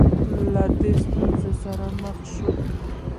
له ډېرو ستونزو سره مخ شو.